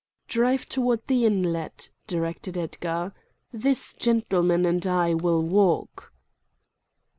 "Drive toward the inlet," directed Edgar. "This gentleman and I will walk."